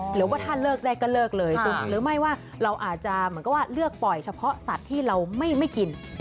หรือว่าถ้าเลิกได้ก็เลิกเลยหรือไม่ว่าเราอาจจะเหมือนกับว่าเลือกปล่อยเฉพาะสัตว์ที่เราไม่กิน